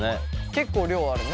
結構量あるね。